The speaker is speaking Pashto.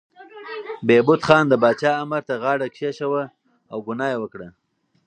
بهبود خان د پاچا امر ته غاړه کېښوده او ګناه یې وکړه.